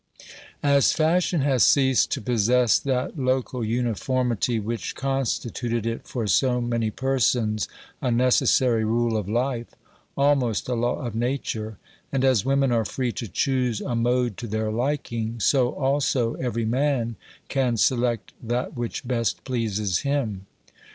As fashion has ceased to possess that local uniformity which constituted it for so many persons a necessary rule of life, almost a law of Nature, and as women are free to choose a mode to their liking, so also every man can select that which best pleases him.